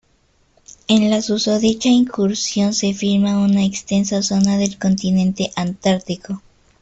En la susodicha incursión se filma una extensa zona del Continente Antártico.